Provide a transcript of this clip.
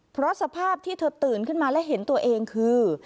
เพราะสภาพที่เธอตื่นขึ้นมาและเห็นตัวเองคือ